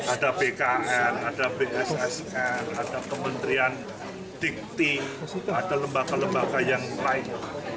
ada bkn ada bssn ada kementerian dikti ada lembaga lembaga yang lain